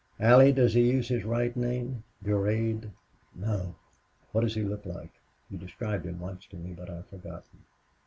Allie, does he use his right name Durade?" "No." "What does he look like? You described him once to me, but I've forgotten."